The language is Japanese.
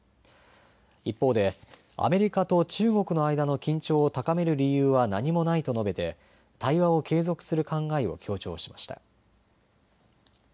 一方でアメリカと中国の間の緊張を高める理由は何もないと述べて対話を継続する考えを強調しました。